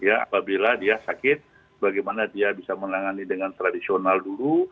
apabila dia sakit bagaimana dia bisa menangani dengan tradisional dulu